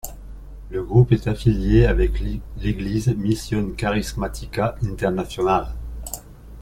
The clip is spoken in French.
Le groupe est affilié avec l’église Misión Carismática Internacional.